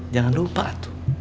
jangan lupa tuh